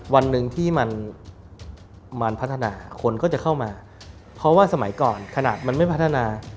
วันหนึ่งที่มันพัฒนาคนก็จะเข้ามาเพราะว่าสมัยก่อนขนาดมันไม่พัฒนา